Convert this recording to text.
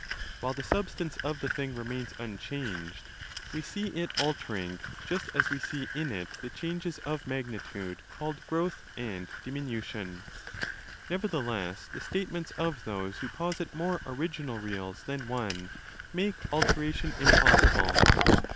While the sub stance of the thing remains unchanged, we see it 'altering' just as we see in it the changes of magnitude called 'growth' and 'diminution'. Nevertheless, the statements of those who posit more ' original reals' than one make ' alteration' impossible.